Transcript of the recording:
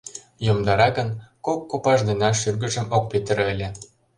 Йомдара гын, кок копаж денат шӱргыжым ок петыре ыле.